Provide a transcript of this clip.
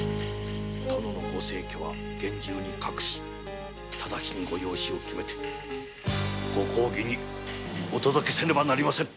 殿のご逝去は厳重に隠し直ちにご養子を決めて公儀へお届けせねばなりませぬ。